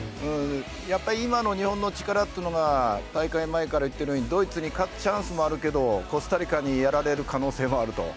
やっぱり今の日本の力というのが大会前から言っているようにドイツに勝つチャンスもあるけどコスタリカにやられる可能性もあると。